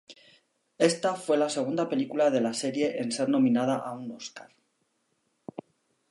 Ésta fue la segunda película de la serie en ser nominada a un Óscar.